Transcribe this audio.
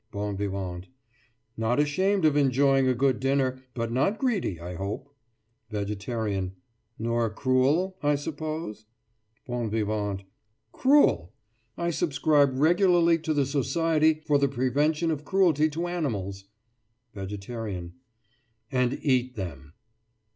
BON VIVANT: Not ashamed of enjoying a good dinner, but not greedy, I hope. VEGETARIAN: Nor cruel, I suppose? BON VIVANT: Cruel! I subscribe regularly to the Society for the Prevention of Cruelty to Animals. VEGETARIAN: And eat them.